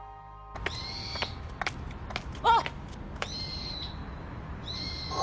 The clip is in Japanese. あっ！